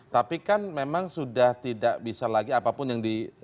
tapi kan memang sudah tidak bisa lagi apapun yang di